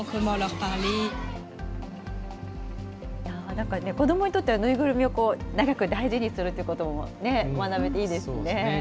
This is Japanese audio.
なんかね、子どもにとってはぬいぐるみを長く大事にするということも学べてそうですよね。